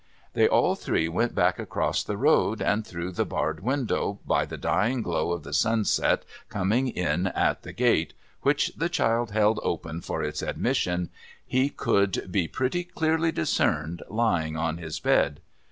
They all three went back across the road; and, through the barred window, by the dying glow of the sunset coming in at the gate — which the child held open for its admission — he could be pretty clearly discerned lying on his bed.